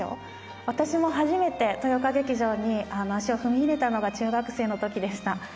私も初めて豊岡劇場に足を踏み入れたのが中学生の時でした。